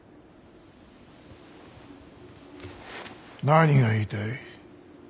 何が言いたい。